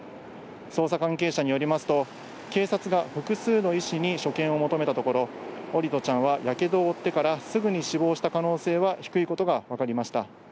捜査関係者によりますと警察が複数の医師に所見を求めたところ、桜利斗ちゃんは火傷を負ってからすぐに死亡した可能性は低いことがわかりました。